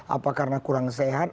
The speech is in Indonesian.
apa karena kurang sehat